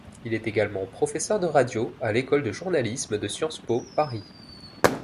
Il est également professeur de radio à l'École de Journalisme de Sciences Po Paris.